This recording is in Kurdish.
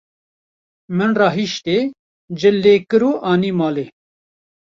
Min rahiştê, cil lê kir û anî malê.